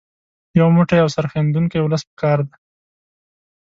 یو موټی او سرښندونکی ولس په کار دی.